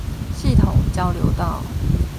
系統交流道